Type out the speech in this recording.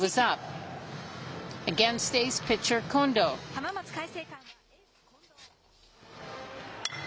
浜松開誠館はエース、近藤。